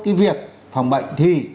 cái việc phòng bệnh thì